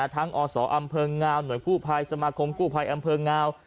อศอำเภองาวหน่วยกู้ภัยสมาคมกู้ภัยอำเภองาว